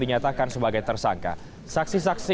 dinyatakan sebagai tersangka saksi saksi